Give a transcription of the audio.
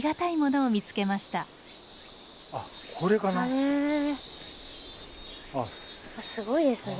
すごいですね。